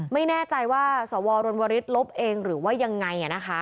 ไม่แน่ใจว่าสวรรณวริสลบเองหรือว่ายังไง